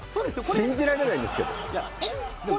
信じられないんですけど。